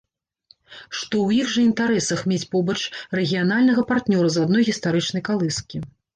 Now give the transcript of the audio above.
Што ў іх жа інтарэсах мець побач рэгіянальнага партнёра з адной гістарычнай калыскі.